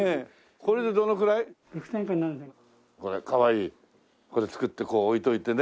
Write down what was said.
それで作ってこう置いといてね。